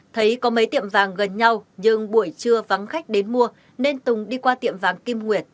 thấy có mấy tiệm vàng gần nhau nhưng buổi trưa vắng khách đến mua nên tùng đi qua tiệm vàng kim nguyệt